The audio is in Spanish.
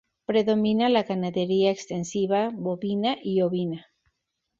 Predomina la ganadería extensiva bovina y ovina.